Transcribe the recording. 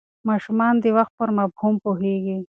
ماشومان د وخت پر مفهوم پوهېږي.